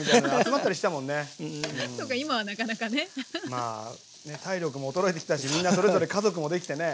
まあね体力も衰えてきたしみんなそれぞれ家族もできてね。